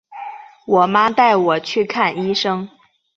我妈带我去看医生